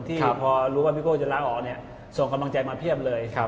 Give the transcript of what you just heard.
ทุกคนพอรู้ว่าพี่โก้จะล้าอออส่งความบังใจมาเพียบเลย